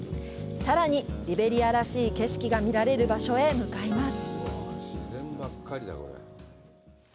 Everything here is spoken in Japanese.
さらに、リベリアらしい景色が見られる場所へ向かいます。